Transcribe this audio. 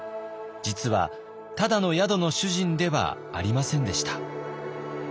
実はただの宿の主人ではありませんでした。